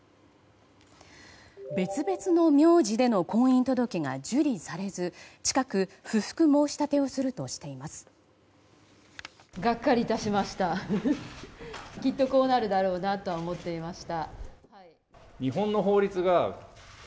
別々の名字での婚姻届が受理されず近く、不服申し立てをするとしています。